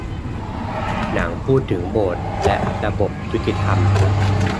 หนังพูดถึงโบสถ์และระบบยุติธรรม